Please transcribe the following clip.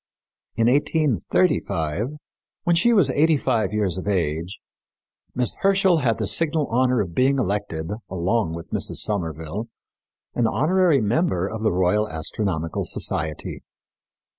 In 1835, when she was eighty five years of age, Miss Herschel had the signal honor of being elected, along with Mrs. Somerville, an honorary member of the Royal Astronomical Society.